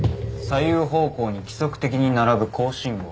左右方向に規則的に並ぶ高信号。